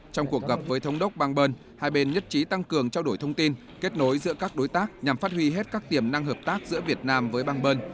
trong cuộc gặp với thống đốc bang bơn hai bên nhất trí tăng cường trao đổi thông tin kết nối giữa các đối tác nhằm phát huy hết các tiềm năng hợp tác giữa việt nam với bang bơn